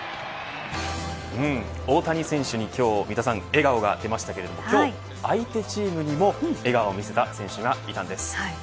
大谷選手に今日三田さん笑顔が出ましたが今日、相手チームにも笑顔を見せた選手がいたんです。